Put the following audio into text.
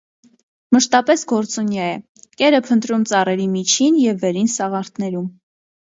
Մշտապես գործունյա է, կեր է փնտրում ծառերի միջին և վերին սաղարթներում։